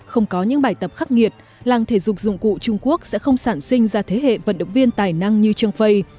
không có những bài tập khắc nghiệt làng thể dục dụng cụ trung quốc sẽ không sản sinh ra thế hệ vận động viên tài năng như trương phây